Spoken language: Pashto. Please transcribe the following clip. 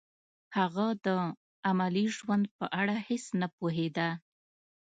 هغه د عملي ژوند په اړه هیڅ نه پوهېده